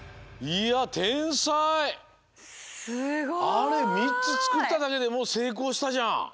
あれ３つつくっただけでもうせいこうしたじゃん。